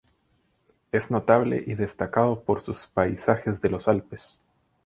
Es notable y destacado por sus paisajes de los Alpes.